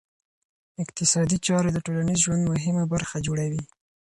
اقتصادي چاري د ټولنیز ژوند مهمه برخه جوړوي.